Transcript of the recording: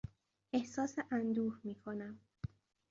احساس اندوه میکنم.